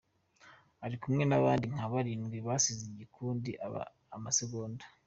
Ari kumwe n’abandi nka barindwi basize igikundi amasegonda